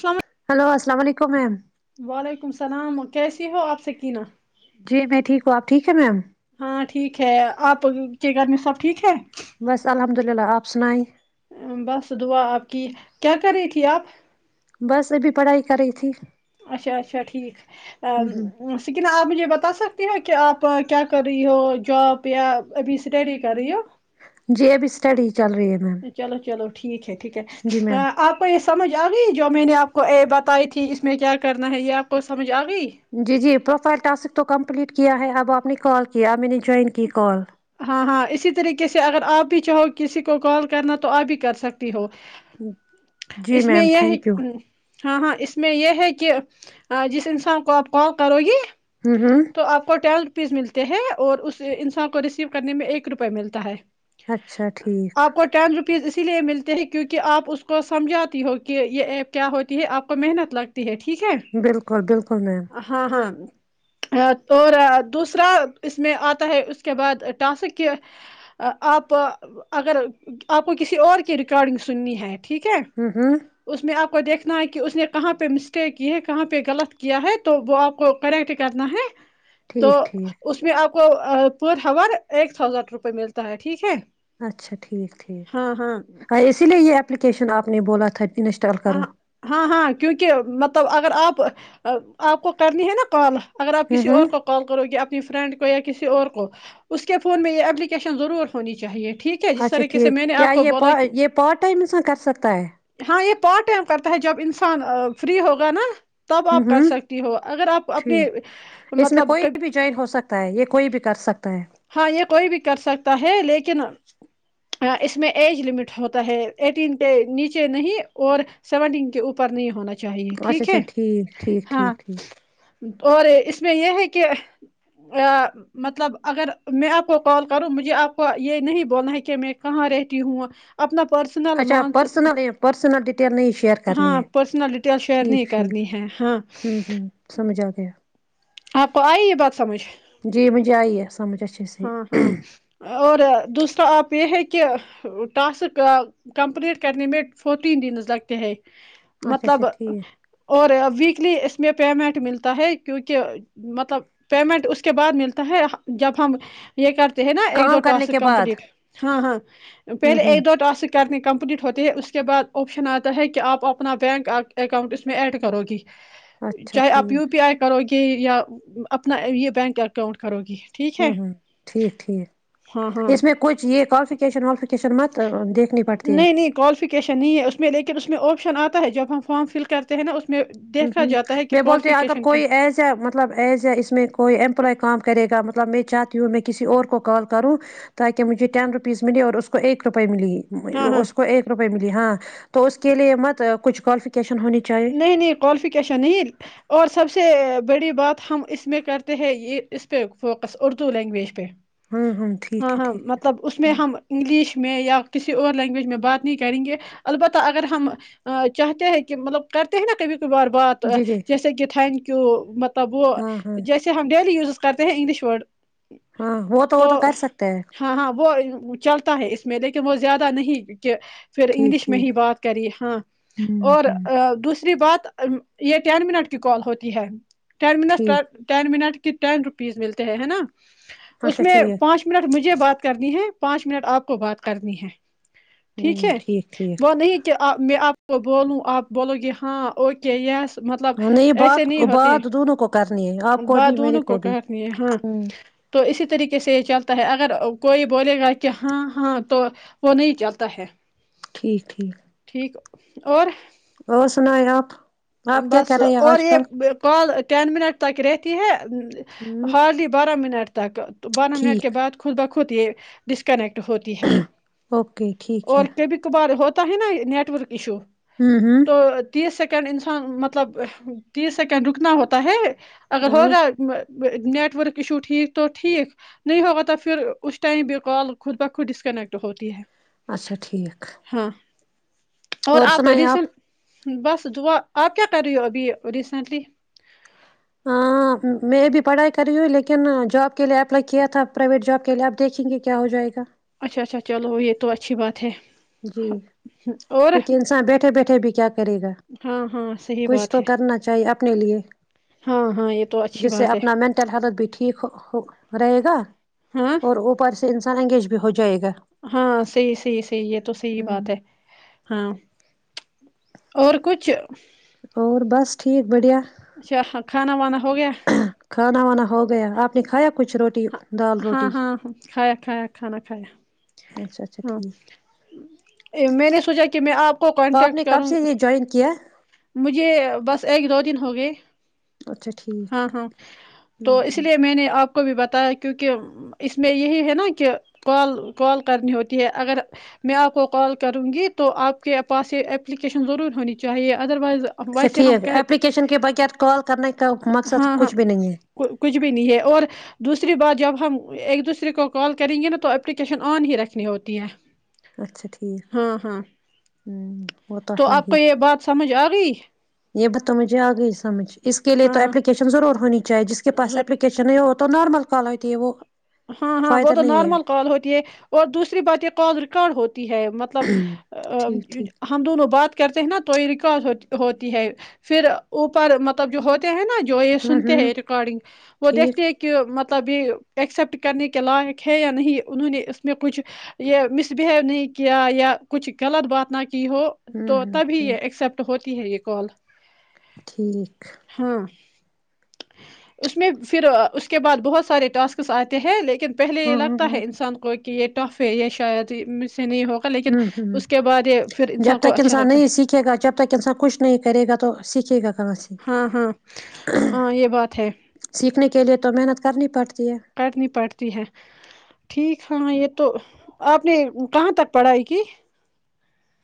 توام [inaudible] hello السلام علیکم میم [unintelligible] وعلیکم السلام کیسی ہو آپ سےکینہ [unintelligible] جی میں ٹھیک ہوں آپ ٹھیک ہے میم [unintelligible] ہاں ٹھیک ہے آپ کیا کرنے سب ٹھیک ہے [unintelligible] بس الحمد للہ آپ سنائی [unintelligible] بس دعا آپ کی کیا کر رہی تھی آپ [unintelligible] بس ابھی پڑھائی کر رہی تھی اچھا اچھا ٹھیک ہ ہ سکن آپ مجھے بتا سکتے ہو کہ آپ کیا کر رہی ہو جاب یا ابھی اسٹڈی کر رہی ہو جیبسٹاری چل رہی ہے ن چلو چلو ٹھیک ہے ٹھیک ہے آپ کو یہ سمجھ آ گئی جو میں نےپ کو اے بتائی تھی اس میں کیا کرنا ہے یہ آپ کو سمجھ آ گئی جی جی پروفائل ٹسک تو کم پلیٹ کیا ہے اب آپ نے کال کیا میں نے جوائن کیی کال ہاں ہاں اسی طریقے سے اگر آپ بھی چاہو کسی کو کال کرنا تو آپ بھی کر سکتی ہو جی اس میں میم یہ تھینک یو ہے ہاں ہاں اس میں یہ ہے کہ جس انسان کو آپ کال کرو گی ہوں ہوں تو آپ کو ٹل پیس ملتے ہیں اور اس انسان کو ریسیو کرنے میں ایک روپئے ملتا ہے اچھا ٹھیک آپ کا ٹائم جو پیز اسی لیے ملتے ہیں کیونکہ آپ اس کو سمجھاتی ہو کہ یہ ایپ کیا ہوتی ہے آپ کو محنت لگتی ہے ٹھیک ہے بالکل بالکل میم ہاں ہاں اور دوسرا اس میں آ ہے اس کے بعد ٹاسک آپ اگر آپ کو کسی اور کی ریکارڈنگ سننی ہے ٹھیک ہے ہوں ہوں اس میں آپ آپ کو دیکھنا ہے کہ اس نے کہاں پہ مسٹیک کی ہے کہاں پہ غلط کیا ہے تو وہ آپ کو کریکٹ کرنا ہے تو ٹھیک ٹھیک اس میں آپ کو پر ہور ایک تھاؤزینڈ روپئے ملتا ہے ٹھیک ہے اچھا ٹھیک ٹھیک ہاں ہاں اسی لیے یہ اپپلیکیشن آپ نے بولا تھا انسٹال ہ کرو ہاں ہاں کیونکہ مطلب اگر آپ آپ کو کرنی ہے نا کال اگر آپ ہوں کسی اور ہوں کو کال کرو کہ اپنی فرینڈ یا کسی اور کو اس کے فون میں یہ اپلیکیشن ضرور ہونی چاہیے ٹھیک ہے جس اچھا طریقے سے ٹھیک میں نے کیا آپ کو یہ پا بولا کہ یہ پارٹ ائم میں سا کر سکتا ہے ہاں یہ پارٹ ائم کرتے ہے جب انسان فری ہوگا نا تب ہوں آپ کر ہوں سکتی ہو اگر آپ اپنے ٹھیک اس میں مطلب کوئی ک بھی جوائن ہو سکتا ہے یہ کوئی بھی کر سکتا ہے ہاں یہ کوئی بھی کر سکتا ہے لیکن اس میں ایج لمٹ ہوتا ہے ایٹین کے نیچے نہیں اور سیونٹین کے اوپر نہیں ہونا چاہیے اچھا ٹھیک ہے اچھا ٹھیک ٹھیک ہاں ٹھیک ٹھیک اور اس میں یہ ہے کہ مطلب اگر میں آپ کو کال کروں مجھے آپ کو یہ نہیں بولنا ہے کہ میں کہاں رہتی ہوں اپنا پرسنل اچھا مان پرسنل پرسن ڈیٹیل نہیں شیئر کرنی ہاں ہے پرسنل ڈیٹیل شیئر ٹھیک نہیں ٹھیک کرنی ہے ہاں ہ ہ سمجھ آ گیا آپ کو آئی یہ بات سمجھ جی مجھے آئی ہے سمجھ اچھے سے ہاں ہاں اور دوسرا آپ پ ہے کہہ ٹاسک کمپلیٹ کرنے میں فورٹین دنز لگتے ہیں اچھا مطلب اچھا ٹھیک اور ویکلی اس م پیمنٹ ملتا ہے کیونکہ کہ مطلب پیمنٹ اس کے بعد ملتا ہے جب ہم یہ تو نا اکہ کام د کرنے اسک کے بعد کمپلیٹ ہاں ہاں ہوں پہلے ہوں اک د اسک کمپلیٹ ہوتی ہے اس کے بعد آپشن آتا ہے کہ آپ اپنا بینک اکاؤنٹ اس میں ایڈ کرو گی اچھا چاہے آپ ٹھیک یو پی آئی کرو گے کہ یا اپنا یہ بینک اکاؤنٹ کرو گی ٹھیک ہے ہوں ہوں ٹھیک ہاں ٹھیک ہاں اس میں کچ یہ کالفکیشن والالفکیشن مت دیکھنی پڑتی ہے نہیں نہیں کوالیفیکیشن نہیں ہے اس میں لیکن اس میں آپشن آتا ہے جب ہم فارم فل کرتے ہیں نا اس میں ہ دیکھا ہوں جاتا ہے کہ میں بولتی ہ اگر کوالیفیکیشن کے کوئی ایز اے مطلب ایز اے اس میں کوئی ایمپلائی کام کرے گا مطلب میں چاہتی ہوں میں کسی اور کو کال کروں تاکہ مجھے ٹین روپیز ملے اور اسس کو ایک روپئے ملے ہاں ہاں اس کو ایک روپئے ملی ہاں تو اس کے لیے مت کچھ کوالفیش ہونی چاہیے کوالفیکیشن نہیں اور سب سے بڑی بات ہم اس میں کرتے ہیں یہ اس پہ فوکس اردو لینگویج پہ ہاں ہاں ٹھیک ہے ہاں ٹھیک ہے مطلب اس میں ہم انگلش میں یا کسی اور لینگویج میں بات نہیں کریں گے البتہ اگر ہم چاہتے ہیں کہ مطلب کرتے ہیں نا کبھی بار بات جی جی جیسے کہ تھینک یو تو تب وہ ہاں ہاں جیسے ہم ڈیلی ز کرتے ہیں انگلش ورڈ ہاں وہ تو وہ تو کر سکتے ہیں ہاں ہاں وہ چلتا ہے اس میں لیکن وہ زیادہ نہیں کہ پھر ٹھیک انگلش میں ٹھیک ہی بات کری ہاں اور دوسری بات یہ ٹین منٹ کی کال ہوتی ہے ٹین منٹٹ ٹھیک تٹین منٹ ٹین روپیز ملتے ہیں ہے نا اس اچھا میں ٹھیک پانچ منٹ مجھے بات کرنی ہے پانچ منٹ آپ کو بات کرنی ہے ٹھیک ہوں ہے ٹھیک وہ نہیں کیا آ میں آپ کو بولوں آپ بولو گ ہاں اوکے یس مطلب ہاں نہیں ایسے بات نہیں ہوتے بات دونوں کو کرنی ہے آپ کو بھی بات میرے دونوں کو بھی کرنی ہے ہاں ہوں تو اسی طرح طریقے سے یہ چلتا ہے اگر کوئی بولے گا کہ ہاں ہاں تو وہ نہیں چلتا ہے ٹھیک ٹھیک ٹھیک اور اور سنایا آپ آپ کیا بس کر رہے ہیں اور آج کل یہ کال ٹین منٹ تک رہتی ہے ہوں ہارلی بارہ منٹ تاک تو بارہ منٹ کے ٹھیک بعد خود بخ ہوتی ہے ڈسکنیکٹ ہوتی ہے اوکے ٹھیک ہے اورور کے بھی کبار ہوتے اوت ہیں نیٹورک ایشو ہوں ہوں تو تیس س [unintelligible] مطلب تیس سیکنڈ رکنا ہوتا ہے آگر ہاں ہوگا نیٹ ورک ایشو ٹھیک تو ٹھیک نہیں ہوگا تو پھر اس ٹائم بھی کال خود بخود ڈسکنیکٹ ہوتی ہے اچھا ٹھیک ہاں اور آپ اریسن بس دعا آپ کیا کیا کر رہی ہو ابھی ریسینٹلی ہاں میں بھی پڑھائی کر رہی ہوں لیکن جاب کے لیے اپلائی کیا تھا پرائیویٹ جاب کے لیے آپ دیکھیں گے کیا ہو جائے گا اچھا اچھا چلو یہ تو اچھی بات ہے جی اور کیونکہ انسان بیٹھے بیٹھے بھی کیا کرے گا ہاں ہاں صحیح کچھ بات تو ہے کرنا چاہیے اپنے لیے ہاں ہاں یہ تو اچھی جس سے بات ہے اپنا مینٹل ہیلتھ بھی ٹھیک رہے گا ہاں اور اوپر سے انسان سر انگیج بھی ہو جائے گا ہاں صیح سیحی صحی ہے تو صحی ہ بات ہے ہاں اور کچھ اور بس ٹھیک بڑھیا اچھا کھانا واان ہو گیا کھانا وانا ہو گیا آپ نے کھایا کچھ روٹی ہاں دال ہاں روٹی ہاں کھایا کھایا کھانا کھایا اچھا اچھا ہاں ٹھیک میں نے سوچا کہ میں آپ کو آپ کانٹیکٹ نے کب کروں سے یہ جوائن کیا مجھے بس ایک دو دن ہو گئے اچھا ٹھیک ہاں ہاں تو اس لیے میں نے آپ کو بھی بتایا کیونکہ اس میں یہی ہے نا کہ کال کال کرنی ہوتی ہے اگر میں آپ کو کال کروں گی تو آپ کے پاس یہ اپلیکیشن ضرور ہونی چاہیے ادر وائز اچھا ویسے ہم ٹھیک کہ اپلیکیشن کے بغیر کال کرنے کا مقصد ہاں ہاں کچھ بھی نہیں ہے کچھ بھی نہیں ہے اور دوسری بات جب ہم ایک دوسرے کو کال کریں گے نا تو اپلیکیشن آن ہی رکھنی ہوتی ہے اچھا ٹھیک ہاں ہاں ہوں تو آپ کو یہ بات سمجھ آ گئی یہ ب تو مجھے آگئی ہی سمجھ اس کے لیے تو ہاں اپلیکیشن ضرور ہونی چے جس کے پاس ضرور اپپلیکیشن ہے ہو نارمل کالو ت ہیے وہ ہاں ہاں وہ فائدہ تو نہیں ہے نارمل کال ہوتی ہے اور دوسری بات یہ کال ریکارڈ ہوتی ہے مطلب ٹھیک ٹھیک ہم دونوں بات کرتے ہیں نا تو یہ ریکارڈ ہوتی ہے پھر اوپر مطلب جو ہوتے ہیں نا جو جو یہ ہمم سنتے ہمم ہیں ریکارڈنگ وہ ٹھیک دیکھتے ہیں کہ مطلب توب ایکسیپٹ کرنے کے لائق ہے یا نہیں انہوں نے اس میں کچھ یہ مس بہیو نہیں کیا یا کچھ غلط بات نہ کیا ہو ہمم تو تبھی ہمم یہ ایکسپٹ ہوتا تی ہےگ کال ٹھیک ہاں اس میں پھر اس کے بعد بہت سارے ٹاسک آتے ہیں لیکن پہلے یہ ہاں ہاں لگتا ہاں ہے انسان کو ایک کہ یہ ٹف ہے یہ شاید سے نہیں ہوگا لیکن ہ ہوں اس کے بعد یہ پھر جب کو تک اچھا انسان لگتا ہے نہیں سیکھے گا جب تک انسان کچھ نہیں کرے گا تو سیکھے گا کہاں سے ہاں ہاں ہاں یہ بات ہے سیکھنے کے لی تو محنت کرنی پڑتی ہے کرنی پڑتی ہے ٹھیک ہاں یہ تو آپ نے کہاں تک پڑھائی کی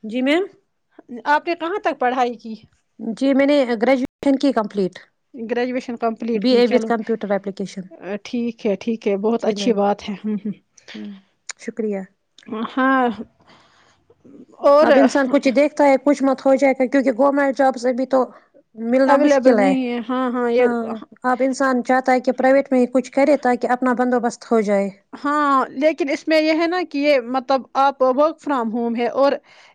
جی میم آپ نے کہاں تک پڑھائی کی جی میں نے گریجویشن کی کمپلیٹ گریجویشن کمپلیٹ بی کی اے وتھ چلو کمپیوٹر اپلیکیشن ٹھیک ہے ٹھیک ہے بہت جی اچھی میم بات ہے ہ ہمم شکریہ ہ ہاں اور اب انسان کچھ ہی دیکھتا ہے کچھ مت ہو جائے گا کیونکہ گورنمنٹ جاب سے بھی تو ملنا اویلیبل مشکل ہے نہیں ہاں ہاں یہ اب انسان چاہتا ہے کہ پرائیویٹ میں ہی کچھ کرے تاکہ اپنا بندوبست ہو جائے ہاں لیکن اس میں یہ ہے نا کہ یہ مطلب آپ ورک فرام ہوم ہے اور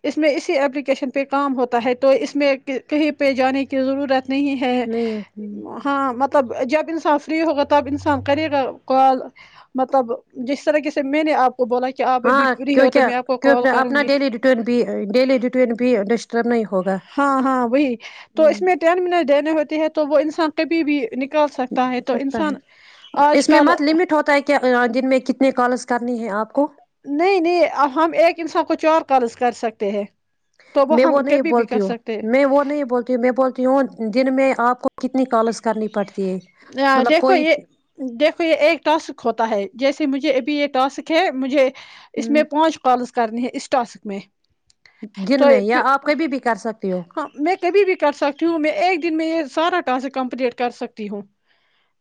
اس میں اسی اپپلیکیشن پہ کام ہوتا ہے تو اس میں کہیں پہ جانے کی ضرورت نہیں ہے نہیں ہے ہاں مطلب جب ب انسان فری ہوگا تب انسان کرے گا کال مطلب جس طریقے سے میں نے آپ بولا کہ آپ ابھی ہاں فری ہو تو کیونکہ میں آپ کو کال کیونکہ کروں اپنا گی ڈیلی روٹین بھی ڈیلی روٹین بھی ڈسٹرب نہیں ہوگا ہاں ہاں وہی تو اس ہوں میں ٹین منٹ دینے ہوتے ہیں تو تو وہ انسان کبھی بھیک نکال سکتا ہے تو سکتا انسان ہے آج کل ن میں کتنے کالز کرنی ہیں آپ کو نہیں نہیں اب ہم ایک انسان کو چور قض کر سکتے ہیں تو میں وہ ہم نہیں کبھی بھی بولتی کر ہوں سکتے میں وہ نہیں بولتی ہوں میں بولتی ہوں جن میں آپ کو کتنی کالس ا دیکھو یہ دیکھو یہ ایک ٹاسک ہوتا ہے جیسے مجھے ابھی یہ ٹاسک ہے مجھے اس میں پانچ کالس کرنی ہے اس ٹاسک میں تو دن میں یا پ آپ کبھی بھی کر سکتی ہو ہاں میں کبھی بھی کر سکتی ہوں میں ایک دن میں یہ سارا ٹاسک کمپلیٹ کر سکتی ہوں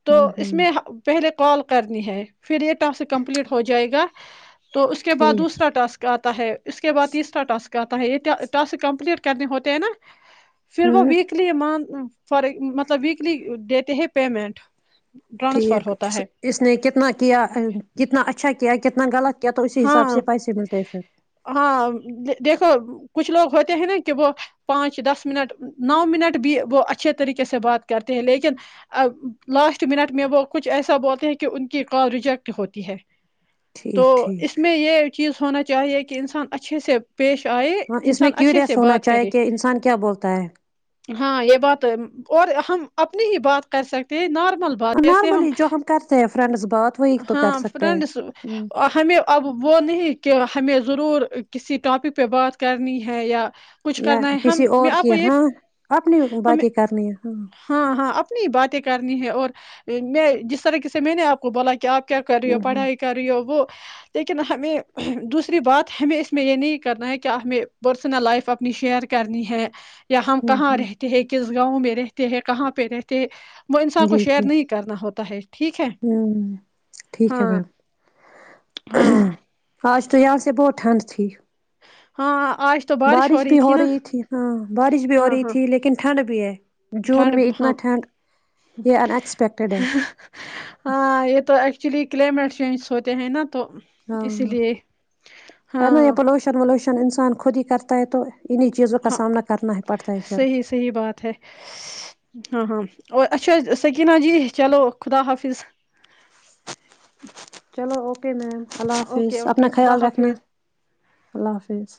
تو ہوں اس ہوں میں پہلے تو کال کرنی ہے پھر رٹ آپ سے کمپلیٹ ہو جائے گا تو اس کے بعد ٹھیک دوسرا ٹاسک آتا ہے اس کے بعد تیسرا ٹاسک آتا ہے یہ ٹسک کمپلیٹ کرنے ہوتے ہیں نا پھر وہ ہوں ویکلی م فار مطلب بھی لیے دیتے ہیں پیمنٹ ٹرانسفر ٹھیک ہوتا ہے اس نے کتنا کیا کتنا اچھا کیا کتنا غلط کیا تو اسی ہاں حساب سے پیسے ملتے ہیں پھر ہاں دیکھو کچھ لوگ ہوتے ہیں نا کہ وہ پانچ دس منٹ نو منٹ بھی وہ اچھے طریقے سے بات کرتے ہیں لیکن لاسٹ منٹ میں وہ کچھ ایسا بولتے ہیں کہ ان کی کال ریجیکٹ ہوتی ہے تو ٹھیک ٹھیک اس میں یہ چیز ہونا چاہیے کہ انسان اچھے سے پیش آئے ہاں اس میں انسان اچھے سے کیوریس ہونا بات چاہیے کرے کہ انسان کیا بولتا ہے ہاں یہ بات اور ہم اپنی ہی بات کر سکتے ہیں نار نارملی جو ہم کرتے ہیں فرینڈس بات وہی تو کر ہاں سکتے ہیں فرینڈس ہ ہمیں اب وہ نہیں کہ ہمیں ضرور کسی ٹاپک پہ بات کرنی ہے یا کچھ یا کرنا ہے ہم کسی میں اور آپ کی کو یہ ہاں اپنی باتیں کرنی ہے ہاں نی باتیں کرنی ہے اور میں جس طریقے سے میں نے آپ کو بولا کہ آپ کہ کر ہوں پڑھائی کر ہو ب وہ [unintelligible] ہم ہوں کہ ہوں ریتتے ہیکس گاؤں میں رہتے ہیں کہاں پہ رہتے ہیں وہ انسان کو جی جی شیئر نہیں کرنا ہوتا تے ہوں ٹھیک ہے مم ہاں آج تو آ بہت ٹنڈ تھی ہاں بارش بھی ہو رہی تھی ہاں بارش بھی ہاں ہو رہی ہاں تھی لیکن ٹھنڈ بھی ہے جون میں ٹھنڈ ہاں اتنا ٹھنڈ یہ ان ایکسپیکٹیڈ ہے ہاں یہ تو ایکچولی کلائمیٹ چینج ہوتے ہیں نا تو ہاں اسی لیے ہے ہاں ن یہ پلوشن ولوشن ھا انسان خود ہی کرتا ہے تو انہیں چیزوں کا ہاں سامنا کرنا ہی پڑتا ہے پھر صحی صحی بات ہے ہاں ہاں اور اچا سکینہ جی چلو خدا حافظ چلو اوکے میم اللہ حافظ اوکے اپنا اوکے خدا خیال رکھنا حافظ اللہ حافظ